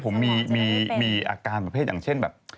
ผมมีอาการประเภทอย่างเช่นแบบ